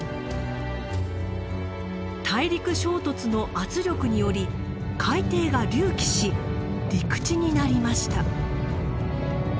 大陸衝突の圧力により海底が隆起し陸地になりました。